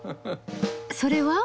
それは？